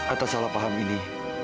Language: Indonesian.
atas salah paham ini